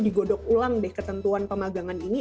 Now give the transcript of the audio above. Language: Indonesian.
digodok ulang deh ketentuan pemagangan ini